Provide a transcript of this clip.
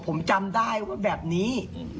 ผมจำได้ว่าแบบนี้